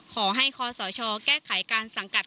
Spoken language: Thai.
ขอให้คอสชแก้ไขการสังกัด